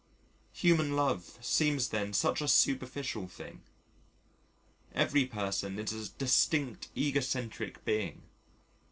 Human love seems then such a superficial thing. Every person is a distinct egocentric being.